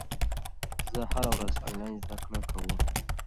زه هره ورځ انلاین زده کړه کوم.